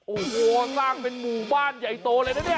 โอ้โหสร้างเป็นหมู่บ้านใหญ่โตเลยนะเนี่ย